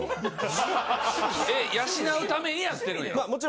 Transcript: え養うためにやってるんやろ？